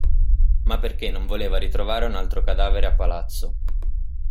Ma perché non voleva ritrovare un altro cadavere a palazzo.